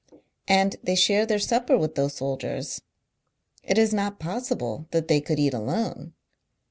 Andthey share theirsupper with those soldiers. It is not possible that they could eat alone."